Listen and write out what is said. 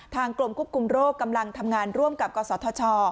กรมควบคุมโรคกำลังทำงานร่วมกับกศธช